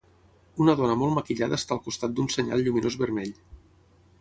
Una dona molt maquillada està al costat d'un senyal lluminós vermell